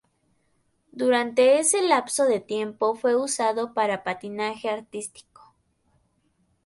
Durante ese lapso de tiempo fue usado para patinaje artístico.